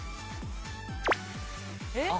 えっ？